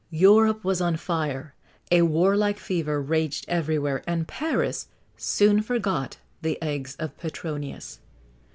Europe was on fire; a warlike fever raged everywhere; and Paris soon forgot the eggs of Petronius.